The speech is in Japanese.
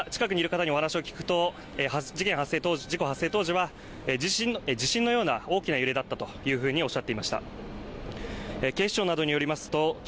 地元の方近くにいる方にお話を聞くと事件発生当時事故発生当時はへ地震のような大きな揺れだったというふうにおっしゃっていました